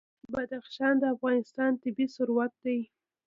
بدخشان د افغانستان طبعي ثروت دی.